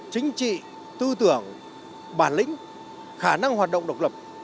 chính trị tư tưởng bản lĩnh khả năng hoạt động độc lập